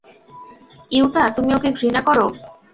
Yuta, তুমি ওকে ঘৃণা করো?